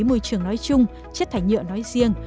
môi trường nói chung chất thải nhựa nói riêng